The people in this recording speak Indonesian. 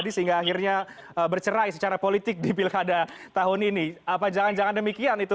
sehingga akhirnya bercerai secara politik di pilkada tahun ini apa jangan jangan demikian itu